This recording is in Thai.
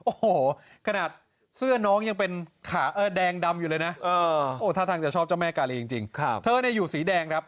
โอ้โหขนาดเสื้อน้องยังเป็นค่าเอ้อแดงดำอยู่เลยนะโอเธอต้องจะชอบเจ้าแม่กาลีจริงครับเธอเนี่ยอยู่สีแดงครับ